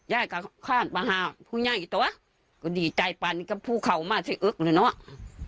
ย่ายก็ข้ามประหารผู้ย่ายตัวก็ดีใจปันนี่ก็พูดเขามาที่อึ๊กเลยเนาะ